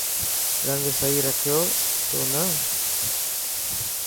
رنگ سهي رکيو تو نه.